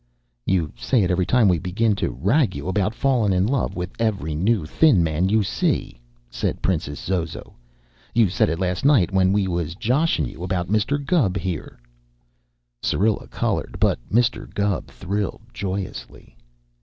"You say it every time we begin to rag you about fallin' in love with every new thin man you see," said Princess Zozo. "You said it last night when we was joshin' you about Mr. Gubb here." Syrilla colored, but Mr. Gubb thrilled joyously.